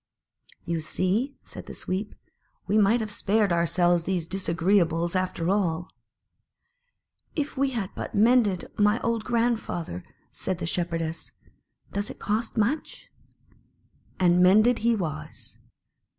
"You see," said the Sweep, "we might have spared ourselves these disagreeables, after all." "If we had but mended my old grand father!" said the Shepherdess. "Does it cost much?" And mended he was.